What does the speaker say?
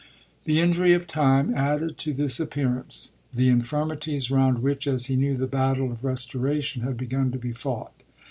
The injury of time added to this appearance the infirmities round which, as he knew, the battle of restoration had begun to be fought.